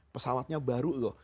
pesawatnya baru loh